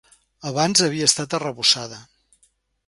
Abans havia estat arrebossada.